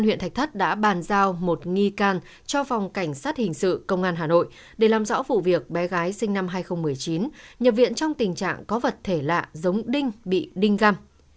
huyện thạch thất đã bàn giao một nghi can cho phòng cảnh sát hình sự công an hà nội để làm rõ vụ việc bé gái sinh năm hai nghìn một mươi chín nhập viện trong tình trạng có vật thể lạ giống đinh bị đinh găm